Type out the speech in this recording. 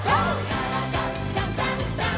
「からだダンダンダン」